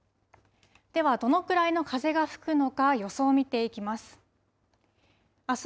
では、どのくらいの風が吹くのか予想を見ていきます。